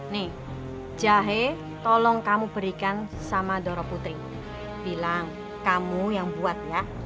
nih jahe tolong kamu berikan sama doro putri bilang kamu yang buat ya